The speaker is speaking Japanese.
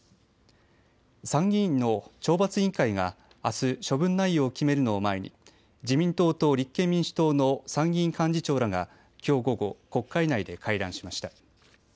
参議院の懲罰委員会があす処分内容を決めるのを前に自民党と立憲民主党の参議院幹事長らがきょう午後、国会内で会談しました。